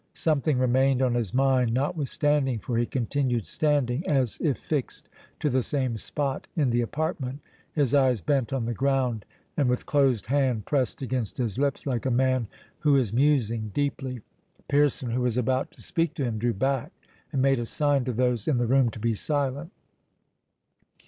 Something remained on his mind notwithstanding, for he continued standing, as if fixed to the same spot in the apartment, his eyes bent on the ground, and with closed hand pressed against his lips, like a man who is musing deeply. Pearson, who was about to speak to him, drew back, and made a sign to those in the room to be silent.